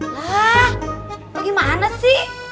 lah bagaimana sih